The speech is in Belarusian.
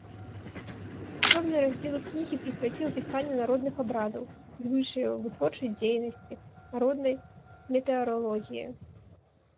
Асобныя раздзелы кнігі прысвяціў апісанню народных абрадаў, звычаяў, вытворчай дзейнасці, народнай метэаралогіі.